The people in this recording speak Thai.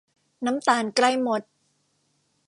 น้ำตาลใกล้มด